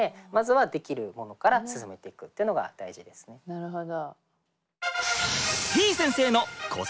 なるほど。